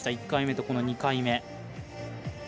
１回目と２回目。